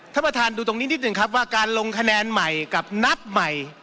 ท่านประธานดูตรงนี้นิดหนึ่งครับว่าการลงคะแนนใหม่กับนับใหม่